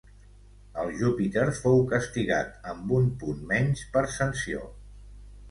El Júpiter fou castigat amb un punt menys per sanció.